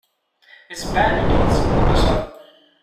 His vanity is colossal.